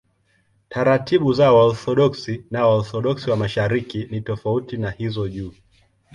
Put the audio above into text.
Taratibu za Waorthodoksi na Waorthodoksi wa Mashariki ni tofauti na hizo juu.